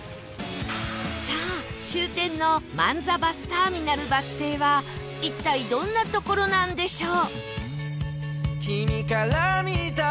さあ終点の万座バスターミナルバス停は一体どんな所なんでしょう？